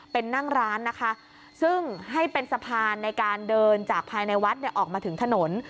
เป็นนั่งร้านนะคะซึ่งให้เป็นสะพานในการเดินจากภายในวัดเนี่ยออกมาถึงถนน